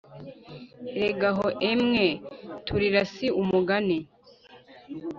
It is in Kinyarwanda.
Erega aho emwe, Tulira si umugani.